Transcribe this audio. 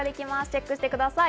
チェックしてみてください。